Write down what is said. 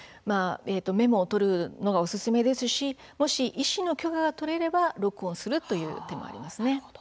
メモを取るのがおすすめですしもし医師の許可を取れれば録音をするという手もあります。